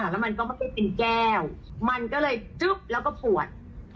แล้วมันก็ไม่ค่อยเป็นแก้วมันก็เลยจึ๊บแล้วก็ปวด